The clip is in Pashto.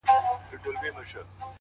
نظم د ګډوډ ژوند تارونه سره نښلوي؛